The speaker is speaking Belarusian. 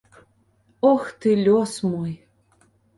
Ох, ты лёс мой!